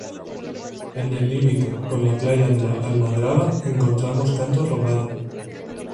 En el límite con la playa de la Almadraba encontramos canto rodado.